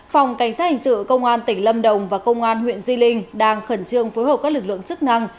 phòng cảnh sát hình sự công an tỉnh lâm đồng và công an huyện di linh đang khẩn trương phối hợp các lực lượng chức năng